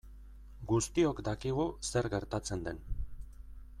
Guztiok dakigu zer gertatzen den.